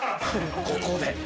ここで。